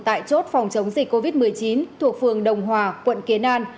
tại chốt phòng chống dịch covid một mươi chín thuộc phường đồng hòa quận kiến an